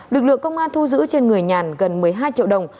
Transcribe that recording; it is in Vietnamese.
lực lượng công an thu giữ trên người nhàn gần một mươi hai triệu đồng